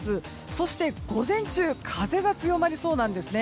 そして、午前中風が強まりそうなんですね。